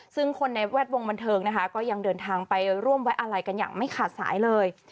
ซึ่งคนในแวดวงบันเทิงนะคะก็ยังเดินทางไปร่วมไว้อะไรกันอย่างไม่ขาดสายเลย